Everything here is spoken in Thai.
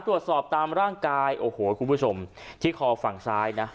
ตามร่างกายโอ้โหคุณผู้ชมที่คอฝั่งซ้ายนะ